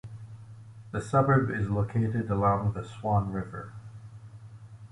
The suburb is located along the Swan River.